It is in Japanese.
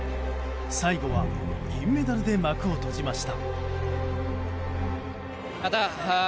最後は、銀メダルで幕を閉じました。